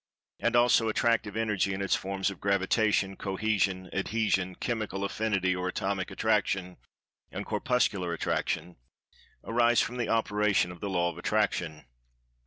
and also Attractive Energy in its forms of Gravitation, Cohesion, Adhesion,[Pg 155] Chemical Affinity or Atomic Attraction and Corpuscular Attraction) arise from the operation of the Law of Attraction.